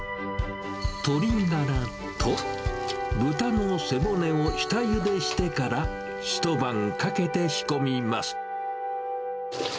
鶏ガラと豚の背骨を下ゆでしてから、一晩かけて仕込みます。